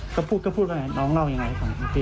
ก็พูดก็พูดว่าไงน้องเล่ายังไงค่ะ